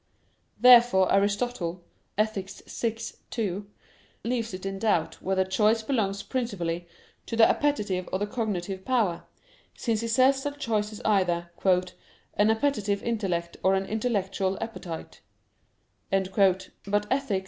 Therefore Aristotle (Ethic. vi, 2) leaves it in doubt whether choice belongs principally to the appetitive or the cognitive power: since he says that choice is either "an appetitive intellect or an intellectual appetite." But (Ethic.